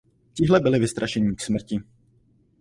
Tihle byli vystrašení k smrti.